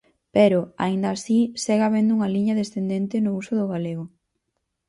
Pero, aínda así, segue habendo unha liña descendente no uso do galego.